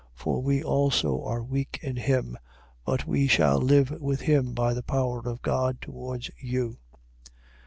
For we also are weak in him: but we shall live with him by the power of God towards you.